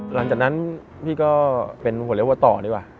หลังจากนั้นพี่ก็เป็นหัวเรียกว่าต่อดีกว่า